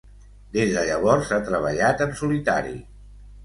Des de llavors ha treballat en solitari.